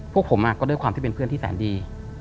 พวกผมก็ด้วยความที่เป็นเพื่อนที่แสนดี